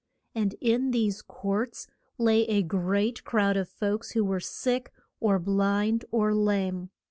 And in these courts lay a great crowd of folks who were sick, or blind, or lame.